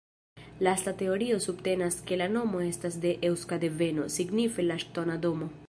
Lasta teorio subtenas ke la nomo estas de eŭska deveno, signife "la ŝtona domo".